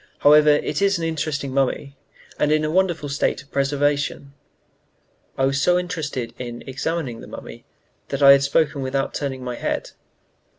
However, it is an interesting mummy, and in a wonderful state of preservation." I was so interested in examining the mummy that I had spoken without turning my head.